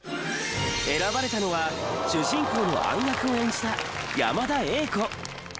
選ばれたのは主人公のアン役を演じた山田栄子。